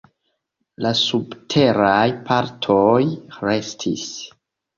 La subteraj partoj restis.